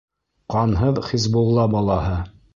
Ҡанһыҙ Хисбулла балаһы!